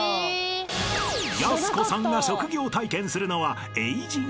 ［やす子さんが職業体験するのは］